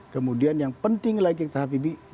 kemudian yang penting lagi ke habibie